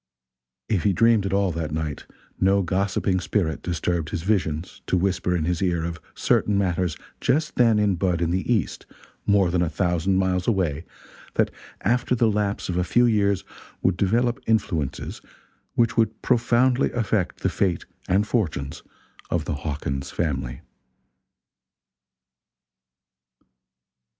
If he dreamed at all that night, no gossiping spirit disturbed his visions to whisper in his ear of certain matters just then in bud in the East, more than a thousand miles away that after the lapse of a few years would develop influences which would profoundly affect the fate and fortunes of the Hawkins family.